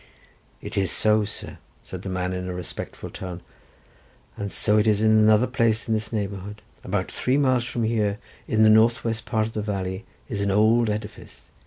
"It is so, sir," said the man in a respectful tone, "and so it is in another place in this neighbourhood. About three miles from here, in the north west part of the valley, is an old edifice.